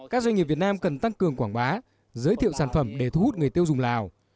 các doanh nghiệp việt nam cần tăng cường quảng bá giới thiệu sản phẩm để thu hút người tiêu dùng lào